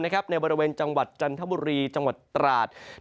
ในบริเวณจังหวัดจันทบุรีจังหวัดตราด